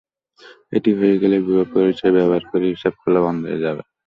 এটি হয়ে গেলেই ভুয়া পরিচয়পত্র ব্যবহার করে হিসাব খোলা বন্ধ হয়ে যাবে।